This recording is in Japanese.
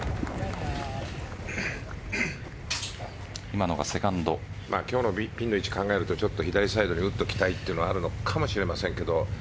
今のがセカンド今日のピンの位置を考えると左サイドに打っていきたいというのはあるかもしれませんが。